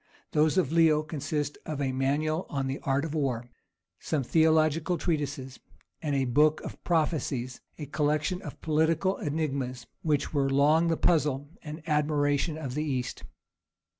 Those of Leo consist of a manual on the Art of War, some theological treatises, and a book of prophecies, a collection of political enigmas, which were long the puzzle and admiration of the East.